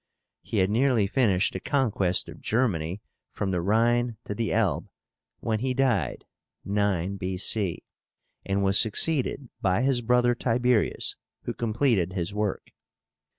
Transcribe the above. He had nearly finished the conquest of Germany from the Rhine to the Elbe, when he died (9, B.C.), and was succeeded by his brother Tiberius, who completed his work.